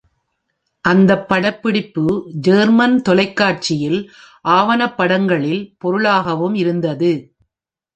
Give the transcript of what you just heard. அந்தப் படப்பிடிப்பு ஜேர்மன் தொலைக்காட்சியில் ஆவணப்படங்களிள் பொருளாகவும் இருந்தது.